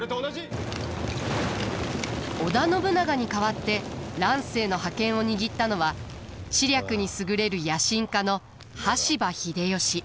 織田信長に代わって乱世の覇権を握ったのは知略に優れる野心家の羽柴秀吉。